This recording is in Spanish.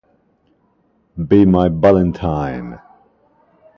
Be my Valentine!